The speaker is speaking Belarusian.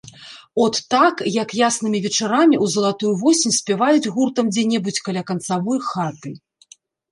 От так, як яснымі вечарамі ў залатую восень спяваюць гуртам дзе-небудзь каля канцавой хаты.